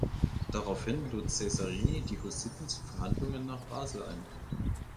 Daraufhin lud Cesarini die Hussiten zu Verhandlungen nach Basel ein.